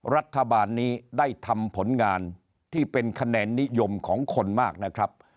รัฐบาลนี้ได้ทำผลงานที่เป็นคะแนนนิยมของคนมากนะครับ